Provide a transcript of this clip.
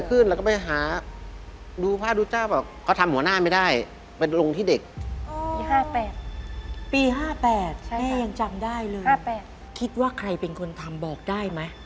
เป็นหน้าหนึ่งด้วยนะครับ